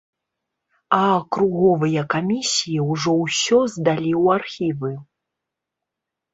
А акруговыя камісіі ўжо ўсё здалі ў архівы.